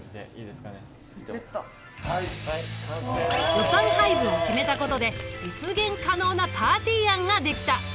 予算配分を決めたことで実現可能なパーティー案ができた。